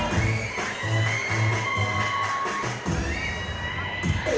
มันคือการบอกว่า